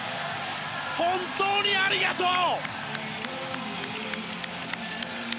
本当にありがとう！